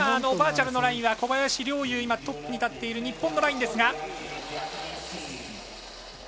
バーチャルのラインは小林陵侑、トップに立っている日本のラインですが。